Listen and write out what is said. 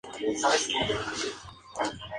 Su rival fue Marie Curie.